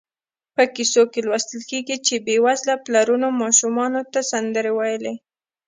په کیسو کې لوستل کېږي چې بېوزله پلرونو ماشومانو ته سندرې ویلې.